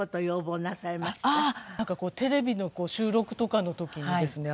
なんかテレビの収録とかの時にですね